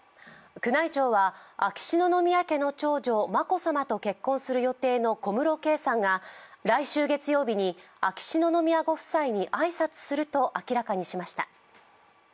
宮内庁は秋篠宮家の長女・眞子さまと結婚する予定の小室圭さんが来週月曜日に秋篠宮ご夫妻に挨拶すると明らかにしました。